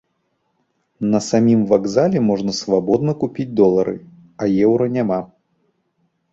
На самім вакзале можна свабодна купіць долары, а еўра няма.